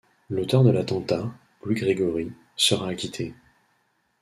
L'auteur de l'attentat, Louis Grégori, sera acquitté.